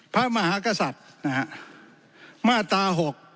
พระมหาศัตริย์มาตรา๖